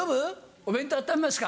お弁当あっためますか？